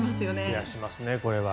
増やしますね、これは。